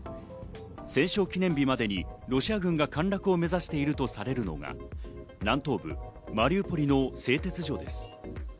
戦勝記念日までにロシア軍が陥落を目指しているとされるのが南東部マリウポリの製鉄所です。